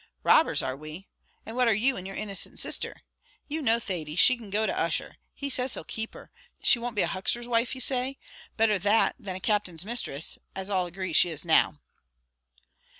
"Robbers are we? and what are you and your innocent sister? You know, Thady, she can go to Ussher; he says he'll keep her. She won't be a huckster's wife, you say? better that than a captain's misthress, as all agree she is now."